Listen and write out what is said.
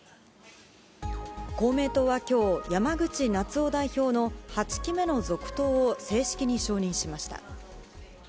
公明党はきょう、山口那津男代表の８期目の続投を正式に承認しました。